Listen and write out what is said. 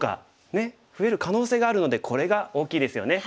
ねえ増える可能性があるのでこれが大きいですよね。